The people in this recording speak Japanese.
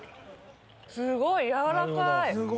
すごい！軟らかい。